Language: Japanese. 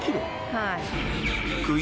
はい。